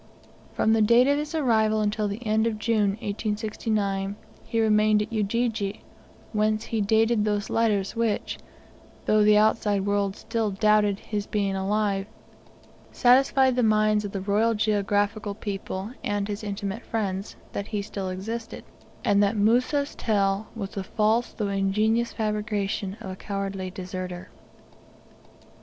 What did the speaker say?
From the date of his arrival until the end of June, 1869, he remained at Ujiji, whence he dated those letters which, though the outside world still doubted his being alive, satisfied the minds of the Royal Geographical people, and his intimate friends, that he still existed, and that Musa'a tale was the false though ingenious fabrication of a cowardly deserter.